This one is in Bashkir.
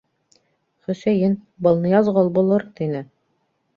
— Хөсәйен, был Ныязғол булыр, — тине.